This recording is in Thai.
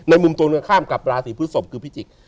ในมุมตรงกันข้ามกับราศรีพฤศพิจิกต์